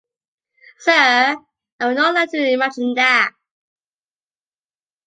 Sir, I would not like to imagine that.